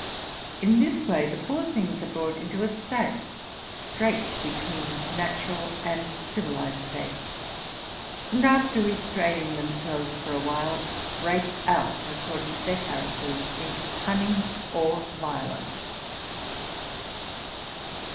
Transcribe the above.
In this way the poor things are brought into a sad_ strait between the natural and civilized states, and, after restrain ing themselves for a while, break out, according to their characters, into cunning or violence.